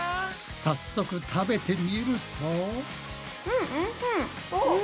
早速食べてみると。